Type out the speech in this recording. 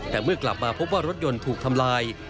แต่เมื่อกลับมาพบว่ารถยนต์ถูกทำลาย